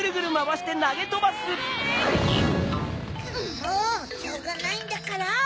もうしょうがないんだから！